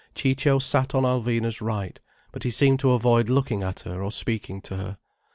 Ciccio sat on Alvina's right, but he seemed to avoid looking at her or speaking to her.